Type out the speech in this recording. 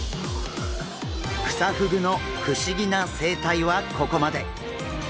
クサフグの不思議な生態はここまで。